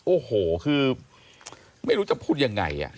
โอ้โหคือไม่รู้จะพูดยังไง